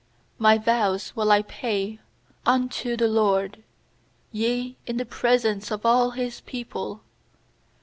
14My vows will I pay unto the LORD, Yea, in the presence of all His people.